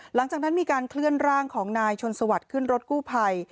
หลังจากนั้นมีการเคลื่อนร่างของนายชนสวัสดิ์ขึ้นรถกู้ภัย